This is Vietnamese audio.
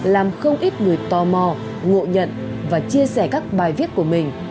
làm không ít người tò mò ngộ nhận và chia sẻ các bài viết của mình